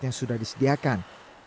yang sudah disediakan